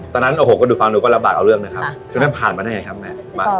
ตอนนั้นโอ้โหก็ดูฟังดูก็ลำบากเอาเรื่องนะครับตอนนั้นผ่านมาได้ไงครับแม่